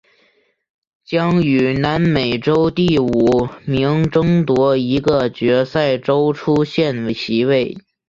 将与南美洲第五名争夺一个决赛周出线席位。